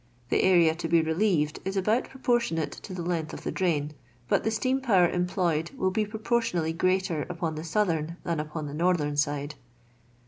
The area to be relieved is about proportionate to the length of the dram; but the steam power employed will be propo^ tionally greater upon the soatbem than upon the northern side.